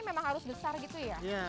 memang harus besar gitu ya